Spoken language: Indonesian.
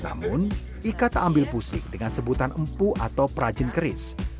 namun ika tak ambil pusing dengan sebutan empu atau perajin keris